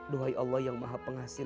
doai allah yang maha pengasih